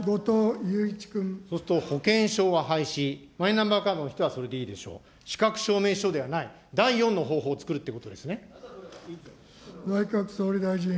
そうすると、保険証は廃止、マイナンバーカードの人はそれでいいでしょう、資格証明書ではない、第４の方法を作るということですね。